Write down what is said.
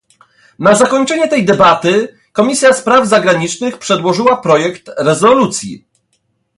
Na zakończenie tej debaty Komisja Spraw Zagranicznych przedłożyła projekt rezolucji